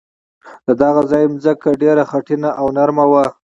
د دغه ځای ځمکه ډېره خټینه او نرمه وه.